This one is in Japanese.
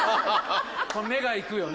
目がいくよね。